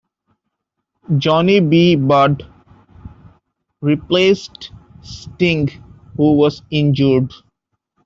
Johnny B. Badd replaced Sting, who was injured.